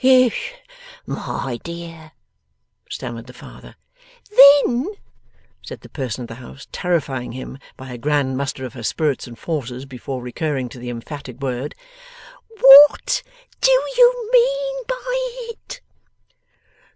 'Yes, my dear,' stammered the father. 'Then,' said the person of the house, terrifying him by a grand muster of her spirits and forces before recurring to the emphatic word, 'WHAT do you mean by it?